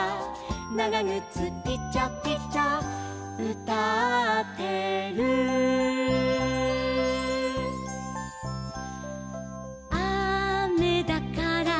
「ながぐつピチャピチャうたってる」「あめだから」